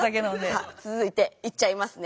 さあ続いていっちゃいますね。